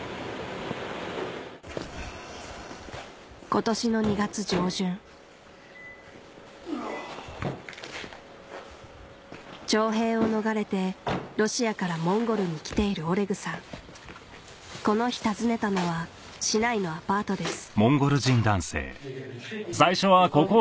今年の２月上旬徴兵を逃れてロシアからモンゴルに来ているオレグさんこの日訪ねたのは市内のアパートです